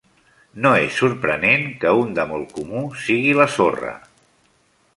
No és sorprenent que un de molt comú sigui la sorra.